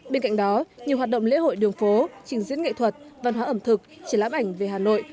bên cạnh đó nhiều hoạt động lễ hội đường phố trình diễn nghệ thuật văn hóa ẩm thực triển lãm ảnh về hà nội